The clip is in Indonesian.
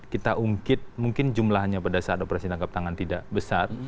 kita ungkit mungkin jumlahnya pada saat operasi tangkap tangan tidak besar